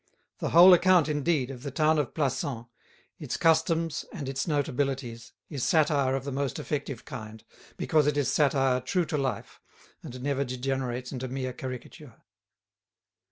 The whole account, indeed, of the town of Plassans, its customs and its notabilities, is satire of the most effective kind, because it is satire true to life, and never degenerates into mere caricature.